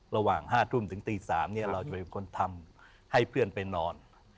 ระหว่าง๕ทุ่มถึงตี๓เราจะเป็นคนทำให้เพื่อนไปนอน